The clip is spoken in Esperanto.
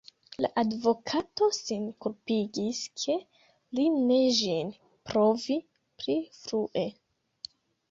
La advokato sin kulpigis, ke li ne ĝin provi pli frue.